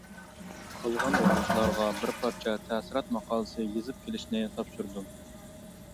قالغان ئوقۇغۇچىلارغا بىر پارچە تەسىرات ماقالىسى يېزىپ كېلىشنى تاپشۇردۇم.